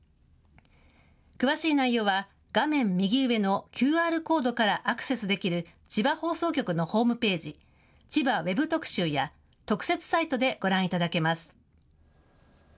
詳しい内容は画面右上のＱＲコードからアクセスできる千葉放送局のホームページ、ちばＷＥＢ特集や特設サイトでご覧いただけます。